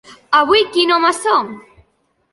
Avui quin home som?